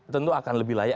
tentu akan lebih layak